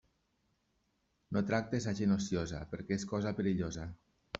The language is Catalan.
No tractes a gent ociosa, perquè és cosa perillosa.